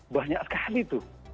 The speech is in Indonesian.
banyak sekali tuh